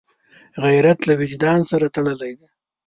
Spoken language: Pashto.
غیرت له وجدان سره تړلی دی